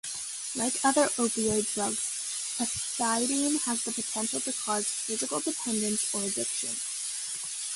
Like other opioid drugs, pethidine has the potential to cause physical dependence or addiction.